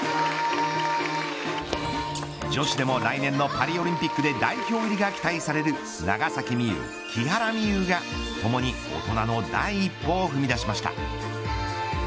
女子でも来年のパリオリンピックで代表入りが期待される長崎美柚、木原美悠がともに、大人の第一歩を踏み出しました。